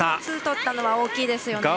ツーとったのは大きいですね。